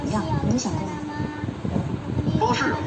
本鱼体细长呈鳗形。